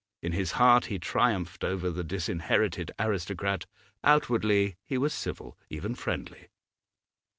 In his heart he triumphed over the disinherited aristocrat; outwardly he was civil, even friendly.